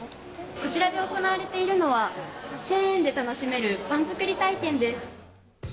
こちらで行われているのは、１０００円で楽しめるパン作り体験です。